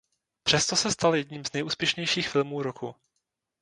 Přesto se stal jedním z nejúspěšnějších filmů roku.